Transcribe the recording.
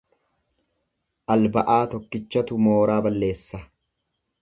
Alba'aa tokkichatu mooraa balleessa.